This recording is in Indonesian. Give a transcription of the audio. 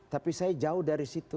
tapi saya jauh dari situ